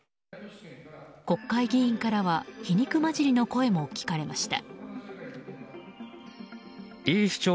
国会議員からは皮肉交じりの声も聞かれました。